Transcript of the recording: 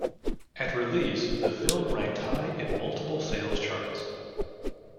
At release, the film ranked high in multiple sales charts.